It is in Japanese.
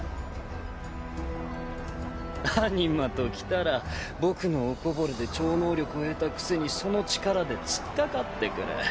アニマときたら僕のおこぼれで超能力を得たくせにその力で突っかかってくる。